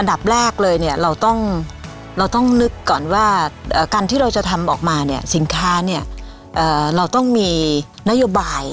ดับแรกเลยเนี่ยเราต้องนึกก่อนว่าการที่เราจะทำออกมาเนี่ยสินค้าเนี่ยเราต้องมีนโยบาย